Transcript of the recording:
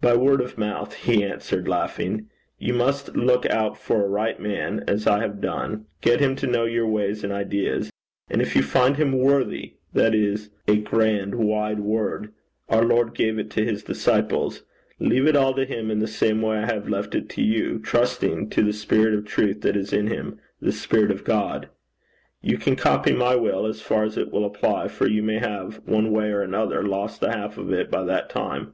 'By word of mouth,' he answered, laughing. 'You must look out for a right man, as I have done, get him to know your ways and ideas, and if you find him worthy that is a grand wide word our Lord gave it to his disciples leave it all to him in the same way I have left it to you, trusting to the spirit of truth that is in him, the spirit of God. You can copy my will as far as it will apply, for you may have, one way or another, lost the half of it by that time.